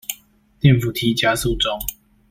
電扶梯加速中